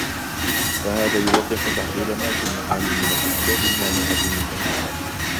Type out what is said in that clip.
فَهَذَا يُوَضِّحُ تَعْلِيلَ مَا فِي الْمَعَانِي مِنْ الْأَسْبَابِ الْمَانِعَةِ مِنْ فَهْمِهَا